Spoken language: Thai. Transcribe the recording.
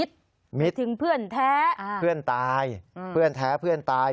ถึงเพื่อนแท้เพื่อนตายเพื่อนแท้เพื่อนตาย